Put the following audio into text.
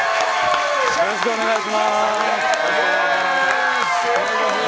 よろしくお願いします。